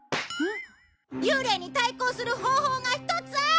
幽霊に対抗する方法が１つある！